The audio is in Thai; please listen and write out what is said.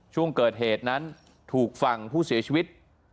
ช่วงเกิดเหตุนั้นถูกฝั่งผู้เสียชีวิต